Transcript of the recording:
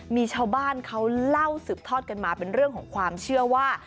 มีชาวบ้านเขาเล่าสืบทอดกันมาเป็นเรื่องของความเชื่อว่า